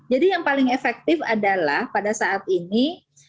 jadi yang paling efektif adalah pada saat ini